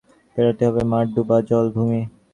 পেরুতে হবে মাঠ, ডোবা, জলাভূমি।